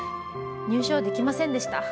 入賞できませんでした。